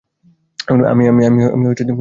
আমি খারাপ মানুষ নই।